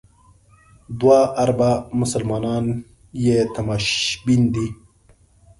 دوه اربه مسلمانان یې تماشبین دي.